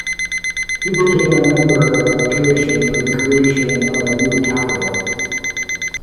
He became a member of the commission for the creation of a new capital.